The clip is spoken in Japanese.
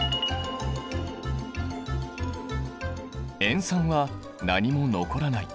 塩酸は何も残らない。